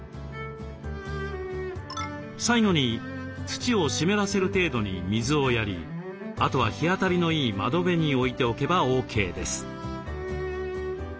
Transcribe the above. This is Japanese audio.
最後に土を湿らせる程度に水をやりあとは日当たりのいい窓辺に置いておけばＯＫです。